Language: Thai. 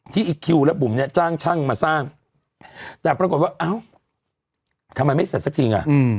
อีกคิวและบุ๋มเนี่ยจ้างช่างมาสร้างแต่ปรากฏว่าเอ้าทำไมไม่เสร็จสักทีอ่ะ